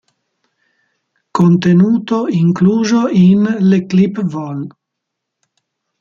Contenuto incluso in Les clips vol.